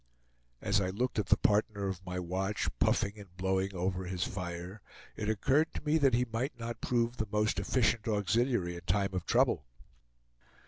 As I looked at the partner of my watch, puffing and blowing over his fire, it occurred to me that he might not prove the most efficient auxiliary in time of trouble.